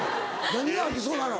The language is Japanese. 何が吐きそうなの？